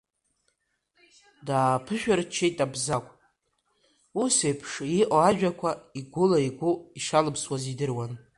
Дааԥышәырччеит Абзагә, усеиԥш иҟо ажәақәа игәыла игәы ишалымсуаз идыруан.